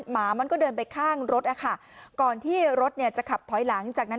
หมามันก็เดินไปข้างรถอะค่ะก่อนที่รถเนี่ยจะขับถอยหลังจากนั้น